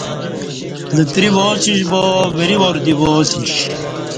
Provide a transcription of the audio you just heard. لتری وا سیش با وری وار دی وا سیش